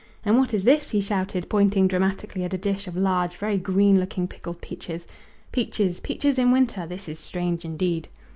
"And what is this?" he shouted, pointing dramatically at a dish of large, very green looking pickled peaches. Peaches peaches in winter! This is strange indeed!